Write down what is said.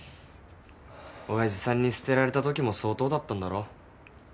親父さんに捨てられたときも相当だったんだろ？